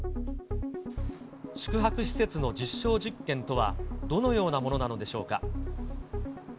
宿泊施設の実証実験とは、どのようなものなのでしょうか。